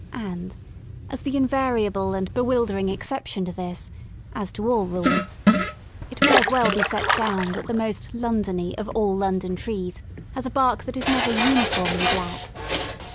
And, as the invariable and bewildering exception to this, as to all rules, it may as well be set down that the most ^^Londony" of all London trees has a bark that is never uniformly black.